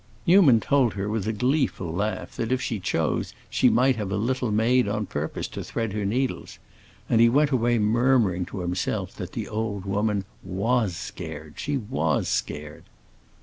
Newman told her, with a gleeful laugh, that if she chose she might have a little maid on purpose to thread her needles; and he went away murmuring to himself again that the old woman was scared—she was scared!